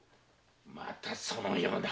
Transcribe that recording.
またそのような。